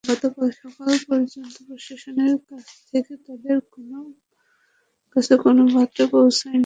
গতকাল সকাল পর্যন্ত প্রশাসনের কাছ থেকে তাদের কাছে কোনো বার্তা পৌঁছায়নি।